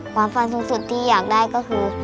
ความฝันสูงสุดที่อยากได้ก็คือ